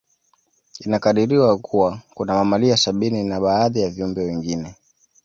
Inakadiriwa Kuwa kuna mamalia sabini na baadhi ya viumbe wengine